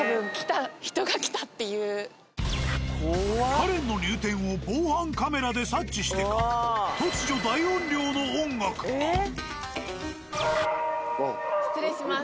カレンの入店を防犯カメラで察知してか突如失礼します。